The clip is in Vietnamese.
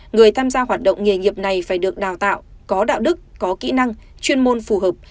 người tham gia hoạt động nghề nghiệp này phải được đào tạo có đạo đức có kỹ năng chuyên môn phù hợp